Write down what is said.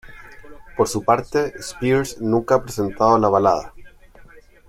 Por su parte, Spears nunca ha presentado la balada.